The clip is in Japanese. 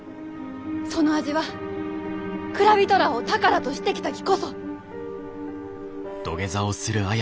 その味は蔵人らあを宝としてきたきこそ！